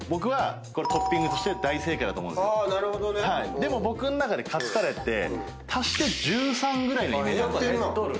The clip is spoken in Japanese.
でも僕の中でカツカレーって足して１３ぐらいなイメージ。